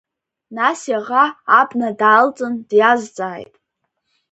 Нас иаӷа абна даалҵын, диазҵааит…